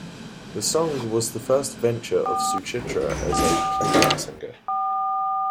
The song was the first venture of Suchitra as a playback singer.